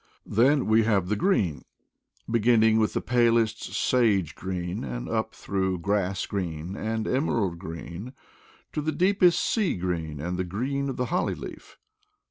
Then we have the green, be ginning with the palest sage green, and up through grass green and emerald green, to the deepest sea green and the green of the holly leaf.